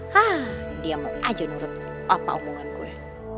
hah diam aja menurut apa omongan gue